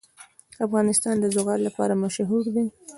افغانستان د زغال لپاره مشهور دی.